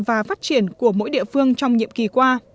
và phát triển của mỗi địa phương trong nhiệm kỳ qua